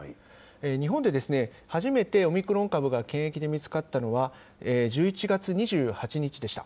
日本で初めてオミクロン株が検疫で見つかったのは、１１月２８日でした。